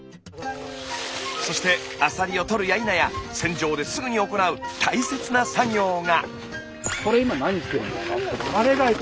そしてアサリをとるやいなや船上ですぐに行う大切な作業が。